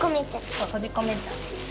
そうとじこめちゃう。